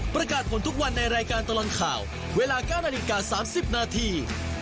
ประกาศผลทุกวันในรายการตลอดข่าวเวลา๙นาฬิกา๓๐นาที